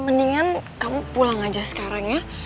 mendingan kamu pulang aja sekarang ya